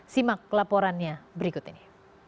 simak laporannya berikut ini